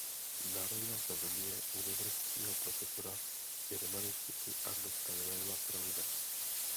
Narodila se v rodině univerzitního profesora germanistiky Arnošta Viléma Krause.